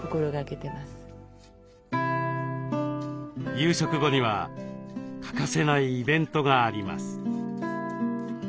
夕食後には欠かせないイベントがあります。